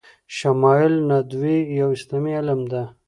شمایل ندوی یو اسلامي علم ده